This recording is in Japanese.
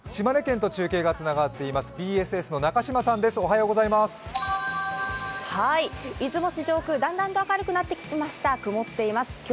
島根県と中継がつながっています。